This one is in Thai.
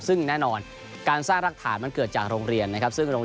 ซึ่งแน่นอนการสร้างรักฐานมันเกิดจากโรงเรียนนะครับ